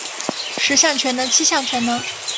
十项全能七项全能